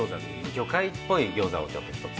魚介っぽい餃子をちょっとひとつ。